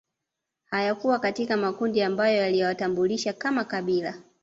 Hayakuwa katika makundi ambayo yaliwatambulisha kama kabila